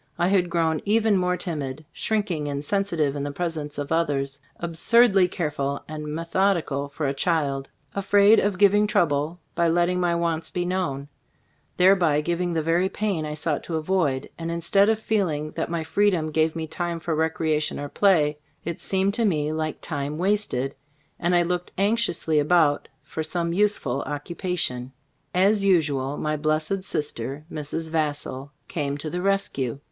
I had grown even more timid, shrink ing and sensitive in the presence of others; absurdly careful and method ical for a child; afraid of giving trouble by letting my wants be known, thereby giving the very pain I sought Gbe Store of As <Jbf U>boot> 89 to avoid, and instead of feeling that my freedom gave me time for recrea tion or play, it seemed to me like time wasted, and I looked anxiously about for some useful occupation. As usual, my blessed sister, Mrs. Vassall, came to the rescue.